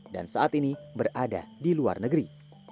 dan saat ini berada di luar negeri